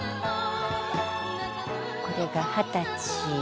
これが二十歳。